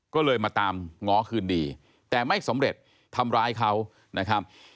ก็เลยมาตามง้อคืนดีแต่ไม่สำเร็จทำร้ายเขานะครับ